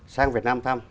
sang việt nam thăm